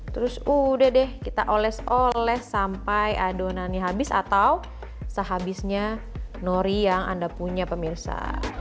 terus udah deh kita oles oles sampai adonannya habis atau sehabisnya nori yang anda punya pemirsa